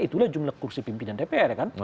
itulah jumlah kursi pimpinan dpr kan